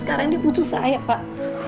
karena dia butuh saya pak